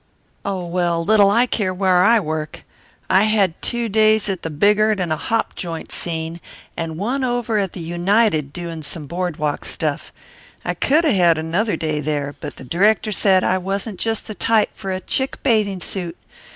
"Oh, well, little I care where I work. I had two days at the Bigart in a hop joint scene, and one over at the United doin' some board walk stuff. I could 'a' had another day there, but the director said I wasn't just the type for a chick bathing suit.